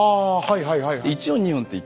はいはいはい。